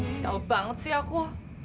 sial banget sih aku